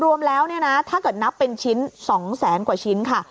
รวมแล้วถ้าเกิดนับเป็นชิ้น๒๐๐๐๐๐กว่าชิ้นค่ะ